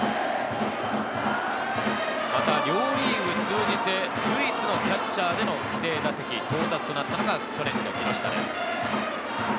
また両リーグ通じて唯一のキャッチャーでの規定打席到達となったのが去年の木下です。